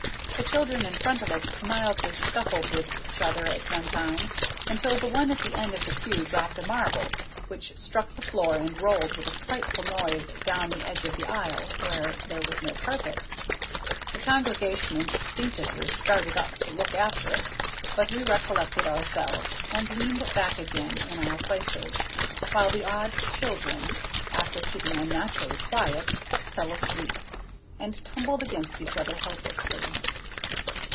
The children in front of us mildly scuffled with each other at one time, until the one at the end of the pew dropped a marble, which struck the floor and rolled with a frightful noise down the edge of the aisle where there was no carpet. The congregation instinctively started up to look after it, but we recollected ourselves and leaned back again in our places, while the awed children, after keeping unnaturally quiet, fell asleep, and tumbled against each other helplessly.